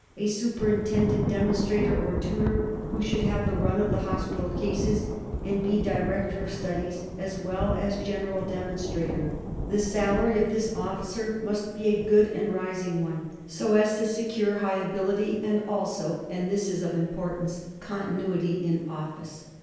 A superintendent demonstrator or tutor, who should have the run of the hospital cases and be director of studies as well as general demonstrator. The salary of this officer must be a good and rising one, so as to secure high ability and, also (and this is of importance), continuity in office. 2.